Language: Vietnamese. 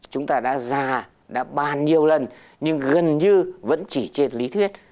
chúng ta đã già đã bàn nhiều lần nhưng gần như vẫn chỉ trên lý thuyết